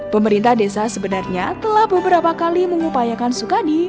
pemerintah desa sebenarnya telah beberapa kali mengupayakan sukadi